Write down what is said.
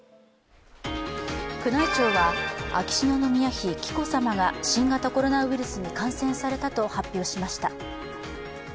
宮内庁は秋篠宮妃・紀子さまが新型コロナウイルスに感染されたと発表しました。